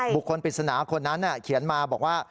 ปริศนาคนนั้นเขียนมาบอกว่า